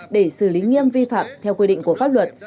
để xử lý nghiêm vi phạm theo quy định của pháp luật